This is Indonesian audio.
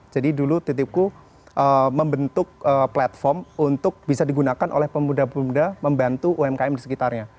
jadi dulu titipku membentuk platform untuk bisa digunakan oleh pemuda pemuda membantu umkm di sekitarnya